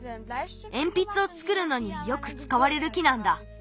えんぴつをつくるのによくつかわれる木なんだ。